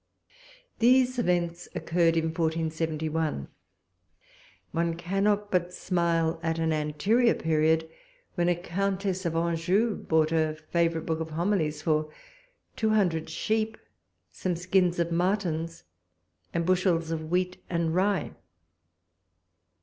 These events occurred in 1471. One cannot but smile, at an anterior period, when a Countess of Anjou bought a favourite book of homilies for two hundred sheep, some skins of martins, and bushels of wheat and rye.